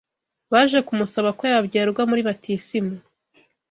Baje kumusaba ko yabyarwa muri batisimu